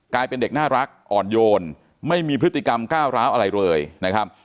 กลายเป็นเด็กน่ารักอ่อนโยนไม่มีพฤติกรรมก้าวร้าวอะไรเลยนะครับ